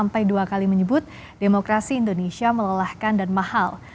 sampai dua kali menyebut demokrasi indonesia melelahkan dan mahal